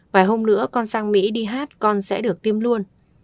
vài hôm nữa con sang mỹ đi hát con sẽ được tiêm luôn